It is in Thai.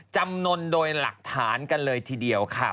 จำนวนโดยหลักฐานกันเลยทีเดียวค่ะ